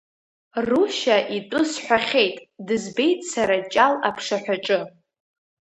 Рушьа итәы сҳәахьеит, дызбеит сара ҷал аԥшаҳәаҿы…